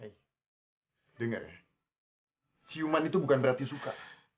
hei denger ciuman itu bukan berarti suka